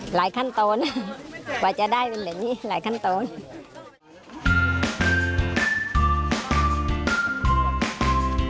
หลายขั้นตรงกว่าจะได้เป็นอย่างนี้หลายขั้นตรง